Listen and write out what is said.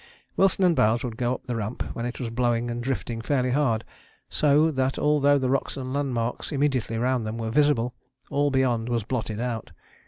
Wilson and Bowers would go up the Ramp when it was blowing and drifting fairly hard, so that although the rocks and landmarks immediately round them were visible, all beyond was blotted out.